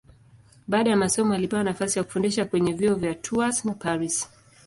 Baada ya masomo alipewa nafasi ya kufundisha kwenye vyuo vya Tours na Paris.